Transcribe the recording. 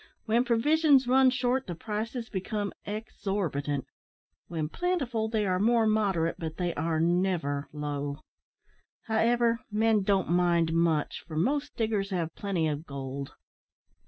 When provisions run short, the prices become exorbitant; when plentiful, they are more moderate, but they are never low. However, men don't mind much, for most diggers have plenty of gold."